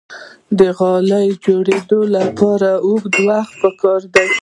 د غالۍ جوړیدو لپاره اوږد وخت پکار دی.